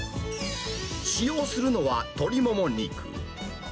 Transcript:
使用するのは鶏もも肉。